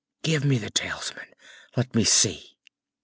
"Give me the talisman. Let me see!"